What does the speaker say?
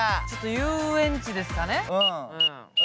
遊園地ですかね。